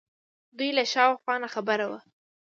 دوی له شا و خوا ناخبره وو